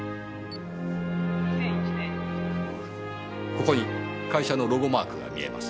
ここに会社のロゴマークが見えます。